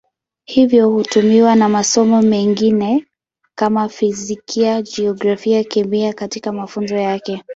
Hivyo hutumiwa na masomo mengine kama Fizikia, Jiografia, Kemia katika mafunzo yake.